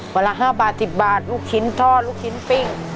วันละ๕บาท๑๐บาทลูกชิ้นทอดลูกชิ้นปิ้ง